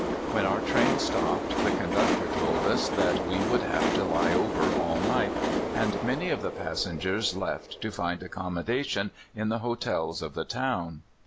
When our train stopped, the conductor told us that we would have to lie over all night, and many of the passengers left to find accommodations in the hotels of the town.